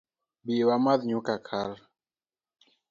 Bi wamadh nyuka kal